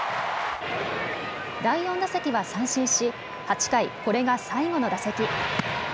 第４打席は三振し８回、これが最後の打席。